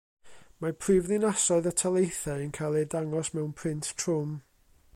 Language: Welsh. Mae prifddinasoedd y taleithiau yn cael eu dangos mewn print trwm.